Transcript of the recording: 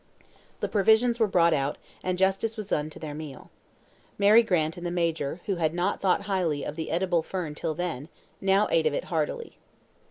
The provisions were brought out, and justice was done to their meal. Mary Grant and the Major, who had not thought highly of the edible fern till then, now ate of it heartily.